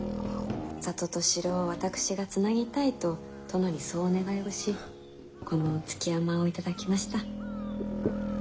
里と城を私がつなぎたいと殿にそうお願いをしこの築山を頂きました。